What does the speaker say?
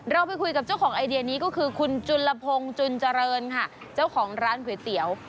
เราไปคุยกับเจ้าของไอเดียนี้ก็คือคุณจุลพงศ์จุนเจริญค่ะเจ้าของร้านก๋วยเตี๋ยว